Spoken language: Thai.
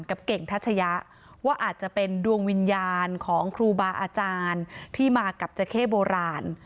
เก่งทัชยะว่าอาจจะเป็นดวงวิญญาณของครูบาอาจารย์ที่มากับจเข้โบราณ